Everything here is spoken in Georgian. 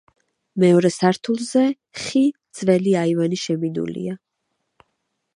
მეორე სართულზე ხი ძველი აივანი შემინულია.